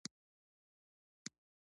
په کاله کی یې لوی کړي ځناور وي